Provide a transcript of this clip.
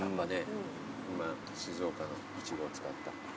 静岡のイチゴを使った。